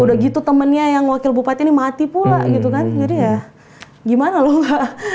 udah gitu temennya yang wakil bupati ini mati pula gitu kan jadi ya gimana loh enggak